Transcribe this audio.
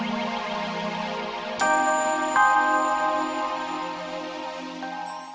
terima kasih dan sampai jumpa di buru dua